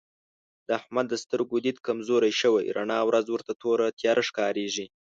د احمد د سترګو دید کمزوری شوی رڼا ورځ ورته توره تیاره ښکارېږي.